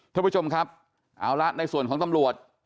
ท่านผู้ชมครับเอาละในส่วนของตำรวจ